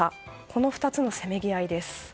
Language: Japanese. この２つのせめぎ合いです。